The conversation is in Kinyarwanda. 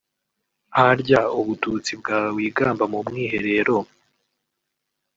harya ubututsi bwawe wigamba mu mwiherero